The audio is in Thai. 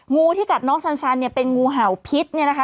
งูที่กัดน้องสันเนี่ยเป็นงูเห่าพิษเนี่ยนะคะ